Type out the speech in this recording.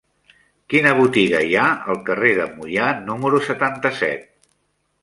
Quina botiga hi ha al carrer de Moià número setanta-set?